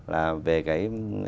là về cái